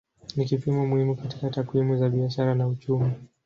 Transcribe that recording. Ni kipimo muhimu katika takwimu za biashara na uchumi.